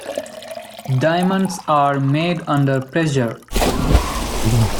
Diamonds are made under pressure.